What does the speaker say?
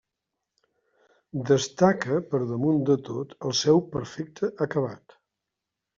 Destaca, per damunt de tot el seu perfecte acabat.